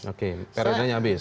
oke erotiknya habis